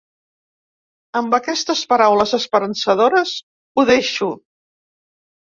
Amb aquestes paraules esperançadores, ho deixo.